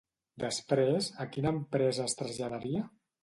Després, a quina empresa es traslladaria?